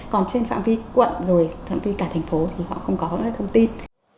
còn trên phạm vi quận rồi phạm vi cả thành phố thì họ không có thông tin